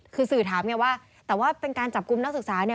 คือสื่อถามไงว่าแต่ว่าเป็นการจับกลุ่มนักศึกษาเนี่ย